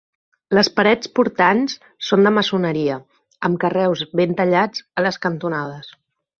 Les parets portants són de maçoneria amb carreus ben tallats a les cantonades.